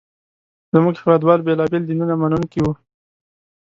زموږ هېواد وال بېلابېل دینونه منونکي وو.